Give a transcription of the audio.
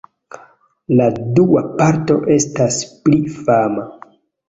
La dua parto estas pli fama.